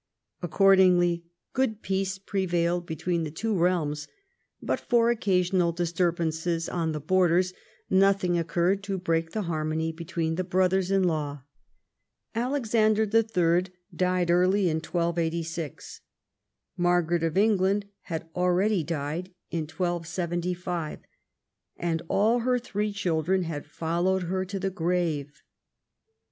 Accordingly good peace prevailed between the two realms. But for occasional disturb ances on the Borders nothing occurred to break the harmony between the brothers in law. Alexander III. died early in 1286. Margaret of England had already died in 1275, and all her three children had followed her to the grave.